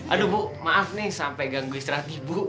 aduh bu maaf nih sampai ganggu istirahat ibu